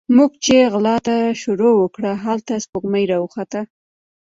موږ چې غلا ته شروع وکړه، هلته سپوږمۍ راوخته